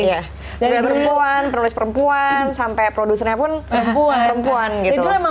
sudah perempuan penulis perempuan sampai produsernya pun perempuan gitu